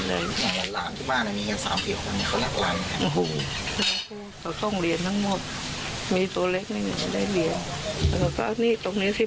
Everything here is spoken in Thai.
บอกแม่ว่าหนูปวดหมดเลยร้าวไปหมดเลย